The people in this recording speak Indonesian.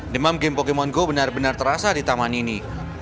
demam game pokemon go benar benar terasa di taman ini